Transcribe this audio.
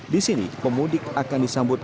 di sini pemudik akan disambut